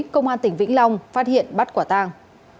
công an tỉnh vĩnh long phát hiện bắt quả tang